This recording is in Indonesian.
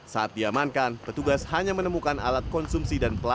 saat diamankan petugas hanya menemukan alat konsumsi dan pelan